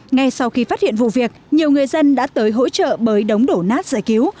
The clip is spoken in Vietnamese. ngay sau khi phát hiện vụ việc nhiều người dân đã tới hỗ trợ bới đống đổ nát giải cứu